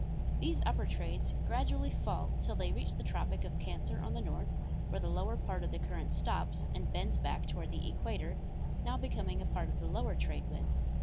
These upper trades gradually fall till they reach the tropic of Cancer on the north, where the lower part of the current stops and bends back toward the equator, now becoming a part of the lower trade wind.